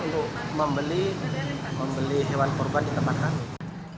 untuk membeli hewan kurban di tempat kami